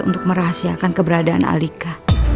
untuk merahasiakan keberadaan alika